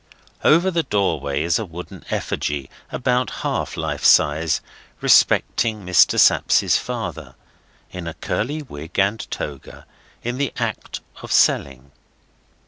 Over the doorway is a wooden effigy, about half life size, representing Mr. Sapsea's father, in a curly wig and toga, in the act of selling.